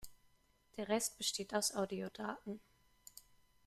Der Rest besteht aus Audiodaten.